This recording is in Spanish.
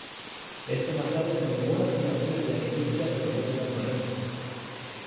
Esto más tarde conllevó a las fundaciones de la industria de robótica moderna.